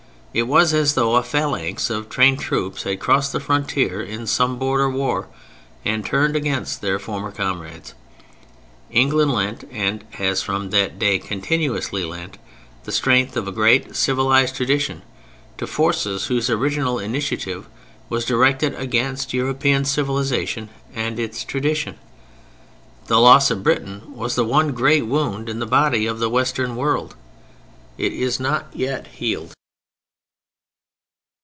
It was as though a phalanx of trained troops had crossed the frontier in some border war and turned against their former comrades. England lent, and has from that day continuously lent, the strength of a great civilized tradition to forces whose original initiative was directed against European civilization and its tradition. The loss of Britain was the one great wound in the body of the Western world. It is not yet healed.